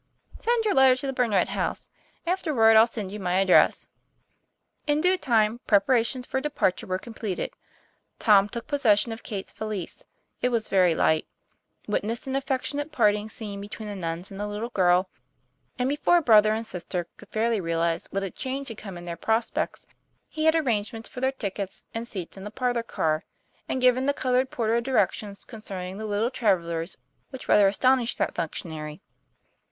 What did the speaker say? ' Send your letter to the Burnet House; afterward I'll send you my address." In due time preparations for departure were com pleted. Tom took possession of Kate's valise it was very light; witnessed an affecting parting scene between the nuns and the little girl; and before brother and sister could fairly realize what a change TOM PLA YFAIR. 153 had come in their prospects, he had made arrange ments for their tickets and seats in the parlor car, and given the colored porter directions concerning the little travellers which rather astonished that func tionary.